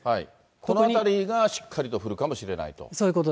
このあたりがしっかりと降るかもしれないと？